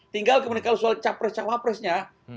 tinggal ke mana mana soal capres capresnya